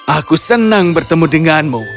aku senang bertemu denganmu